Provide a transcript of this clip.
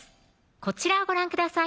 こちらをご覧ください